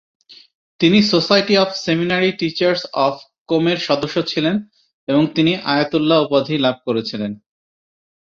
তিনি society of seminary teachers of কোম-এর সদস্য ছিলেন এবং তিনি আয়াতুল্লাহ উপাধি লাভ করেছিলেন।